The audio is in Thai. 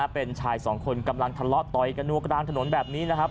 เป็นชายสองคนกำลังทะเลาะต่อยกันนัวกลางถนนแบบนี้นะครับ